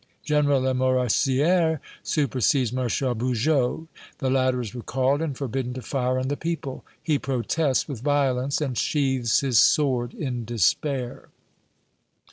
General Lamoricière supersedes Marshal Bugeaud the latter is recalled and forbidden to fire on the people. He protests with violence, and sheathes his sword in despair."